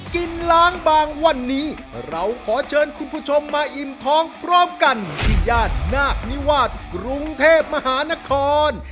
กินล้างบางวันนี้เราขอเชิญคุณผู้ชมมาอิ่มท้องพร้อมกันที่ย่านนาคนิวาสกรุงเทพมหานคร